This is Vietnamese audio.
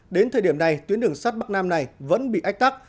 đến thời điểm này tuyến đường sắt bắc nam này vẫn bị ách tắc